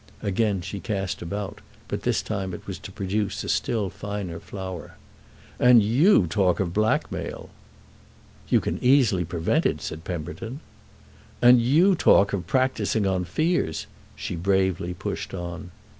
Again she cast about, but this time it was to produce a still finer flower. "And you talk of blackmail!" "You can easily prevent it," said Pemberton. "And you talk of practising on fears," she bravely pushed on.